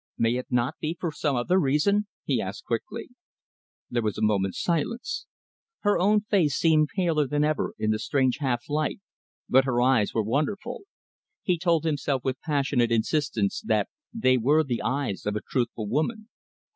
"May it not be for some other reason?" he asked quickly. There was a moment's silence. Her own face seemed paler than ever in the strange half light, but her eyes were wonderful. He told himself with passionate insistence that they were the eyes of a truthful woman.